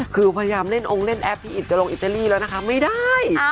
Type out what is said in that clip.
คือพยายามเล่นองค์เล่นแอปที่อิดกระลงอิตาลีแล้วนะคะไม่ได้